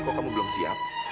kok kamu belum siap